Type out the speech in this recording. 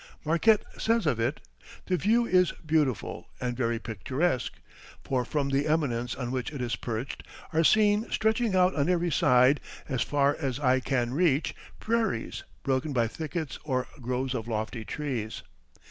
Marquette says of it: "The view is beautiful and very picturesque, for from the eminence on which it is perched are seen stretching out on every side, as far as eye can reach, prairies broken by thickets or groves of lofty trees."